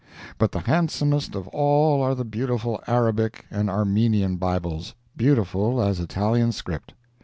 But the handsomest of all are the beautiful Arabic and Armenian Bibles, beautiful as Italian script.